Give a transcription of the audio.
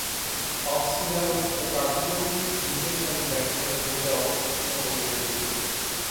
Of spinner ও কার্যকরী নিচেরসারির ব্যাটসম্যানের ভূমিকায় অবতীর্ণ হয়েছিলেন তিনি।